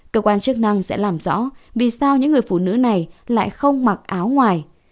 cơ quan chức năng sẽ làm rõ vì sao những người phụ nữ này lại không mặc áo ngoài